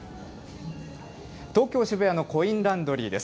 東京・渋谷のコインランドリーです。